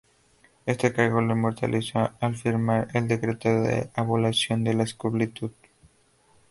Este cargo lo inmortalizó al firmar el decreto de abolición de la esclavitud.